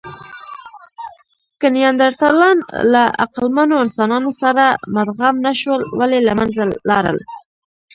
که نیاندرتالان له عقلمنو انسانانو سره مدغم نهشول، ولې له منځه لاړل؟